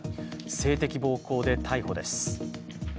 性的暴行で逮捕です。